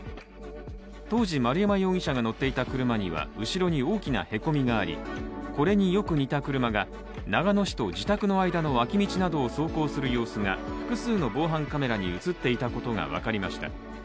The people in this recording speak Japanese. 当時、丸山容疑者が乗っていた車には後ろに大きなへこみがあり、これによく似た車が長野市と自宅の間を走行する様子が複数の防犯カメラに映っていたことが分かりました。